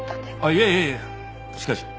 いやいやいやしかし。